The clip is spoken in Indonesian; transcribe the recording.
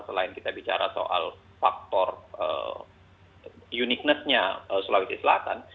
selain kita bicara soal faktor uniqness nya sulawesi selatan